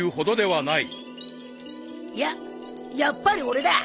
いややっぱり俺だ。